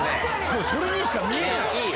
もうそれにしか見えない。